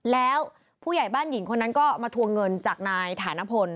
แล้วผู้ใหญ่บ้านหญิงคนนั้นก็มาทวงเงินจากนายฐานพล